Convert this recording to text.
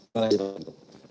terima kasih pak